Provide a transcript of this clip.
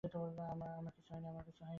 আমার কিছু হয়নি।